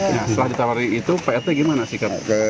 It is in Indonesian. nah setelah ditawarin itu pak rt gimana sih